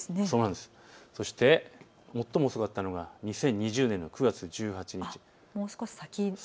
そして最も遅かったのが２０２０年の９月１８日。